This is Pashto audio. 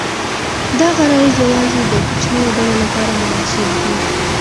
دا غرایز یواځې د کوچنیو ډلو لپاره مناسب دي.